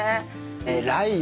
偉いよ。